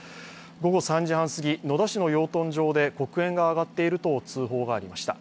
午後３時半すぎ、野田市の養豚場で黒煙が上がっていると通報がありました。